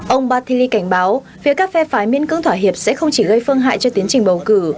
ông batili cảnh báo phía các phe phái miên cưỡng thỏa hiệp sẽ không chỉ gây phương hại cho tiến trình bầu cử